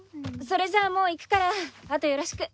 それじゃもう行くから後よろしく。